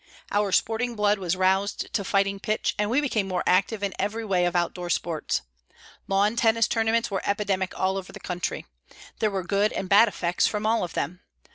Our sporting blood was roused to fighting pitch, and we became more active in every way of outdoor sports. Lawn tennis tournaments were epidemic all over the country. There were good and bad effects from all of them.